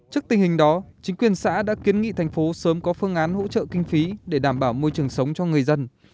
trước tình hình đó chính quyền xã đã kiến nghị thành phố sớm có phương án hỗ trợ kinh phí để đảm bảo môi trường sống cho người dân